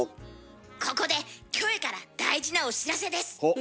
ここでキョエから大事なお知らせです。